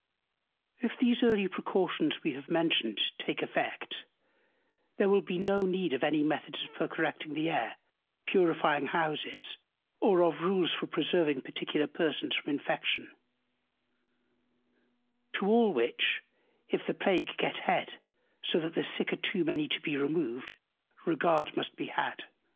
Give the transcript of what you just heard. If these early Precautions, we have mentioned, take Effect, there will be no need of any Methods for Correcting the Air, Purifying Houses, or of Rules for preserving particular Persons from Infection: To all which, if the Plague get head, so that the Sick are too many to be removed, Regard must be had.